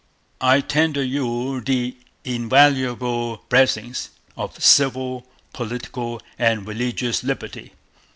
I tender you the invaluable blessings of Civil, Political, and Religious Liberty...